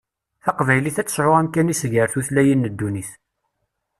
Taqbaylit ad tesɛu amkan-is gar tutlayin n ddunit.